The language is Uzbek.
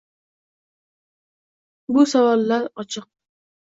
Bu savollar ochiq.